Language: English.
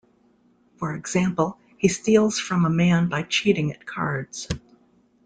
For example, he steals from a man by cheating at cards.